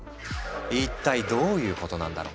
一体どういうことなんだろう？